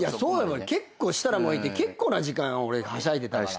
設楽もいて結構な時間を俺はしゃいでたから。